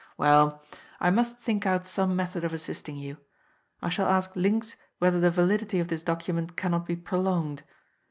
Well, I must think out some method of assisting you. I shall ask Linx whether the validity of this document can not be prolonged.